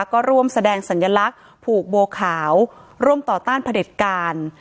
ก็ร่วมแสดงสัญลักษณ์ผูกโบขาวร่วมต่อต้านผลิตการ